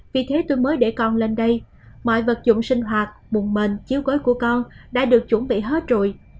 vì thế tôi mới để con lên đây mọi vật dụng sinh hoạt bùn mền chiếu gối của con đã được chuẩn bị hết rồi